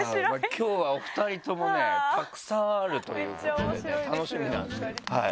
今日はお二人ともねたくさんあるということでね楽しみなんですけど。